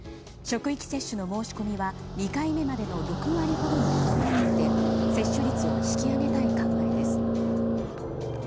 職域接種の申し込みは２回目までの６割ほどにとどまっていて接種率を引き上げたい考えです。